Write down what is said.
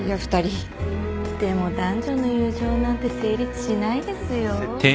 でも男女の友情なんて成立しないですよ。